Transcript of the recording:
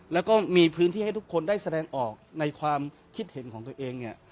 แล้วก็มีพื้นที่ให้ทุกคนได้แสดงออกในความคิดเห็นของตัวเองเนี่ย